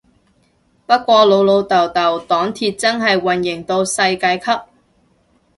不過老老豆豆黨鐵真係營運到世界級